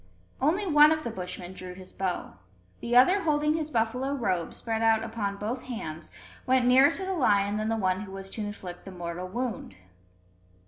Only one of the Bushmen drew his bow. The other holding his buffalo robe spread out upon both hands, went nearer to the lion than the one who was to inflict the mortal wound.